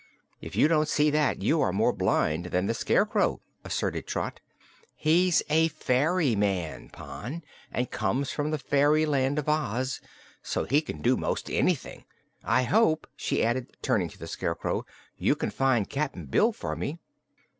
"If you don't see that, you are more blind than the Scarecrow," asserted Trot. "He's a fairy man, Pon, and comes from the fairyland of Oz, so he can do 'most anything. I hope," she added, turning to the Scarecrow, "you can find Cap'n Bill for me."